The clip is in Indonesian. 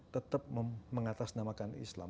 tetap mengatasnamakan islam